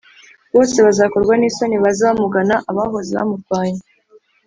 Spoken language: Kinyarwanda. bose bazakorwa n’isoni, baze bamugana, abahoze bamurwanya.